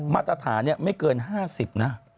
มาตรฐานไม่เกิน๕๐นะ